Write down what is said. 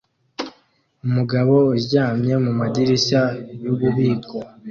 umugabo uryamye mumadirishya yububiko